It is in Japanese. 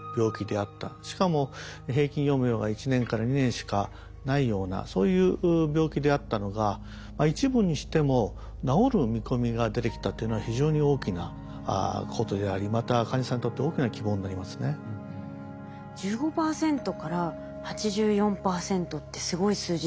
しかも平均余命が１年から２年しかないようなそういう病気であったのが一部にしても治る見込みが出てきたっていうのは非常に大きなことでありまた患者さんにとって大きな希望になりますね。